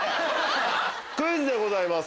クイズでございます。